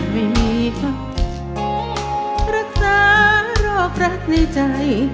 มีความรักษาโรครักในใจ